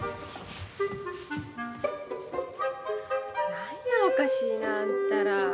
何やおかしいなあんたら。